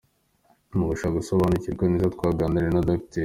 Mu gushaka gusobanukirwa neza, twaganiriye na Dr.